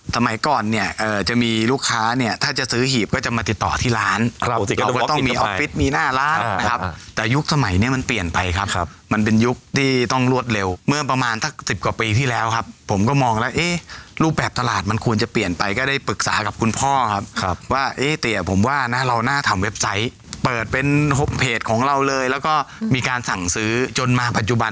สมัยก่อนเนี่ยจะมีลูกค้าเนี่ยถ้าจะซื้อหีบก็จะมาติดต่อที่ร้านเราต้องมีออฟฟิศมีหน้าร้านครับแต่ยุคสมัยเนี่ยมันเปลี่ยนไปครับมันเป็นยุคที่ต้องรวดเร็วเมื่อประมาณสัก๑๐กว่าปีที่แล้วครับผมก็มองแล้วรูปแบบตลาดมันควรจะเปลี่ยนไปก็ได้ปรึกษากับคุณพ่อครับว่าเอ๊ะเตี๋ยวผมว่านะเราน่า